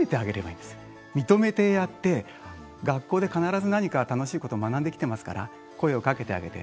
認めてやって学校で必ず何か楽しいことを学んできてますから声をかけてあげて。